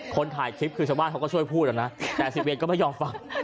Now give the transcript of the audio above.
คนถ่ายคลิปคือชาวบ้านเขาก็ช่วยพูดนะแต่สิบเวรก็ไม่ยอมฟัง